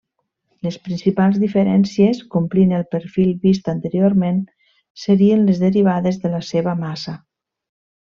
Les principals diferències, complint el perfil vist anteriorment, serien les derivades de la seva massa.